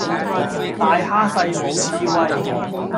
大蝦細，無智慧